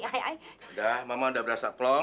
udah mama udah berasa plong